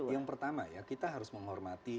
yang pertama ya kita harus menghormati